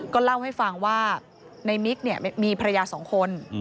ก็เล่าให้ฟังว่าในมิกมีภรรยาสองคน